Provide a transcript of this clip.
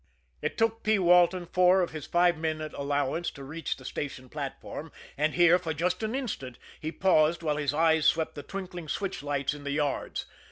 It took P. Walton four of his five minute allowance to reach the station platform; and here, for just an instant, he paused while his eyes swept the twinkling switch lights in the yards.